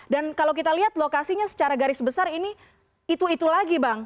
dan kalau kita lihat lokasinya secara garis besar ini itu itu lagi bang